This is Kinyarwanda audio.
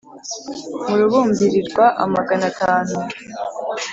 mu rubumbirirwa amagana atanu.